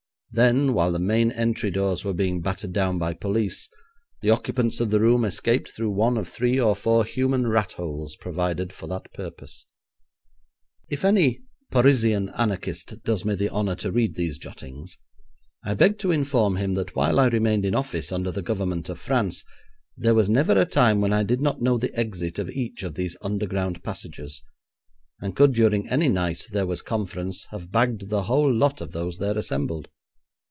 Then, while the main entry doors were being battered down by police, the occupants of the room escaped through one of three or four human rat holes provided for that purpose. If any Parisian anarchist does me the honour to read these jottings, I beg to inform him that while I remained in office under the Government of France there was never a time when I did not know the exit of each of these underground passages, and could during any night there was conference have bagged the whole lot of those there assembled.